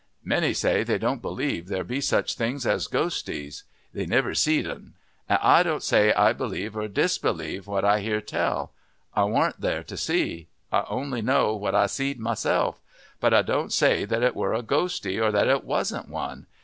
"Many say they don't believe there be such things as ghosties. They niver see'd 'n. An' I don't say I believe or disbelieve what I hear tell. I warn't there to see. I only know what I see'd myself: but I don't say that it were a ghostie or that it wasn't one.